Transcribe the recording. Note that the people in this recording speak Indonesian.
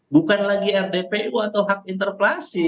bukan lagi rdpu atau hak interpelasi